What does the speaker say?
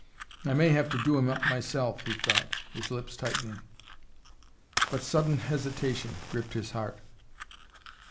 "I may have to do him up myself!" he thought, his lips tightening. But sudden hesitation gripped his heart.